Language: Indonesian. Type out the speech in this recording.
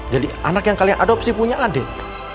jadi anak yang kalian adopsi punya adik